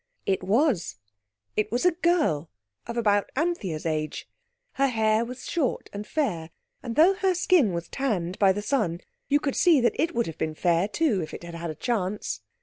It was. It was a girl—of about Anthea's age. Her hair was short and fair, and though her skin was tanned by the sun, you could see that it would have been fair too if it had had a chance.